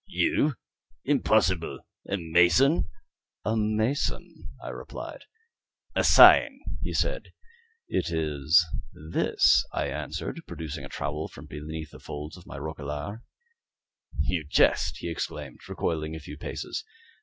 "You? Impossible! A mason?" "A mason," I replied. "A sign," he said, "a sign." "It is this," I answered, producing a trowel from beneath the folds of my roquelaire. "You jest," he exclaimed, recoiling a few paces.